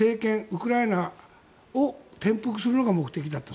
ウクライナを転覆するのが目的だった。